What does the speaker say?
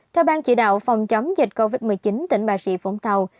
theo ban chỉ đạo phòng chống dịch covid một mươi chín tỉnh bà rịa vũng tàu